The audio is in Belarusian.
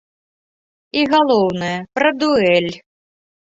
І, галоўнае, пра дуэль!